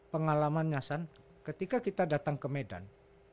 pengalaman ngasan ketika kita datang ke medan